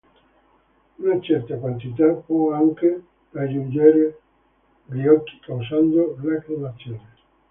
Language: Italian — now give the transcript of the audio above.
Una certa quantità può anche raggiungere gli occhi causando lacrimazione.